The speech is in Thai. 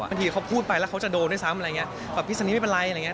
บางทีเขาพูดไปแล้วเขาจะโดนด้วยซ้ำอะไรอย่างเงี้ยแบบพิศนีไม่เป็นไรอะไรอย่างเง